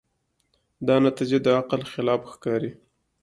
دا نتیجه د عقل خلاف ښکاري.